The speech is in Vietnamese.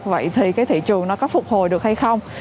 vậy thì thị trường có phục hồi được hay không